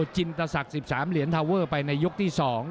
จินตศักดิ์๑๓เหรียญทาเวอร์ไปในยกที่๒